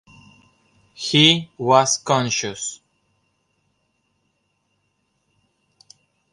He was conscious.